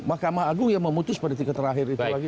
mahkamah agung yang memutus pada titik terakhir itu lagi